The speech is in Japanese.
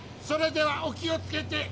それではお気をつけて。